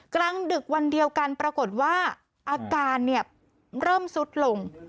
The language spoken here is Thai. กลางดึกวันเดียวกันปรากฏว่าอาการเริ่มซุดลง